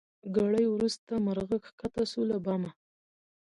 ګړی وروسته مرغه کښته سو له بامه